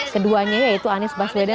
keduanya yaitu anies baswedan